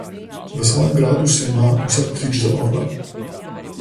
V svojem gradu se ima vsak ptič za orla.